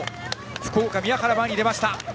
福岡の宮原が前に出ました。